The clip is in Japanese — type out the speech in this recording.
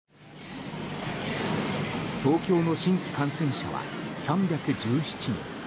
東京の新規感染者は３１７人。